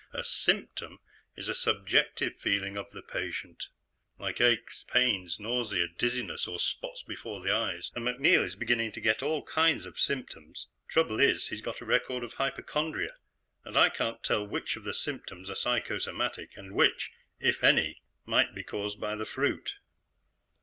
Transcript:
A symptom is a subjective feeling of the patient, like aches, pains, nausea, dizziness, or spots before the eyes. "And MacNeil is beginning to get all kinds of symptoms. Trouble is, he's got a record of hypochondria, and I can't tell which of the symptoms are psychosomatic and which, if any, might be caused by the fruit."